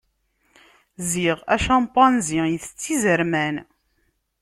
Ziɣ acampanzi itett izerman.